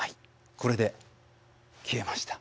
これで消えました。